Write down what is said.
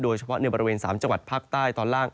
โดยเฉพาะในบริเวณ๓จังหวัดภาคใต้ตอนล่าง